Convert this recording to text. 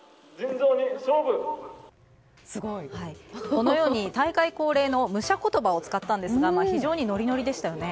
このように大会恒例の武者言葉を使ったんですが非常にノリノリでしたよね。